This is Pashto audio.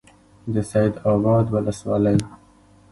د سید آباد ولسوالۍ